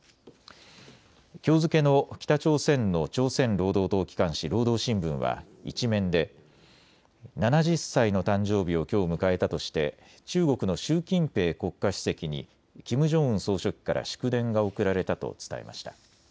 きょう付けの北朝鮮の朝鮮労働党機関紙、労働新聞は１面で７０歳の誕生日をきょう迎えたとして中国の習近平国家主席にキム・ジョンウン総書記から祝電が送られたと伝えました。